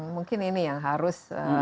mungkin ini yang harus